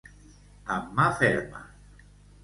Amb mà ferma.